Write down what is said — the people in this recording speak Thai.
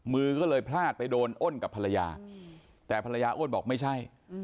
มือก็เลยพลาดไปโดนอ้นกับภรรยาแต่ภรรยาอ้วนบอกไม่ใช่